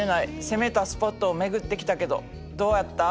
攻めたスポットを巡ってきたけどどうやった？